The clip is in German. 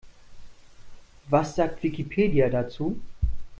Was sagt Wikipedia dazu?